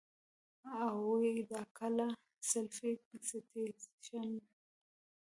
اوي دا کله ؟ self citition